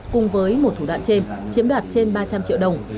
cùng với một thủ đoạn trên chiếm đoạt trên ba trăm linh triệu đồng